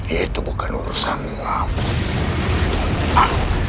itu bukan urusanmu